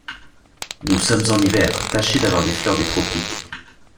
Nous sommes en hiver, tâchez d’avoir des fleurs des Tropiques.